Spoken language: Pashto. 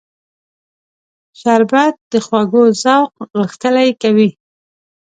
شربت د خوږو ذوق غښتلی کوي